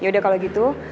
yaudah kalo gitu